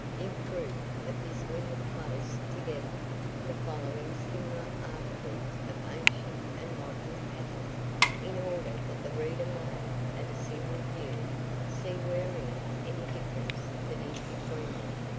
In proof of this we have placed together the following similar articles of ancient and modern pattern, in order that the reader may, at a single view, see wherein any difference that is between them, consists.